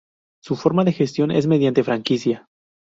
Su forma de gestión es mediante franquicia.